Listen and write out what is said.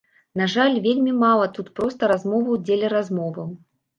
На жаль, вельмі мала тут проста размоваў дзеля размоваў.